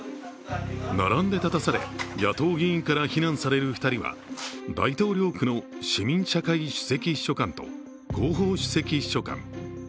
並んで立たされ、野党議員から非難される２人は、大統領府の市民社会首席秘書官と広報首席秘書官。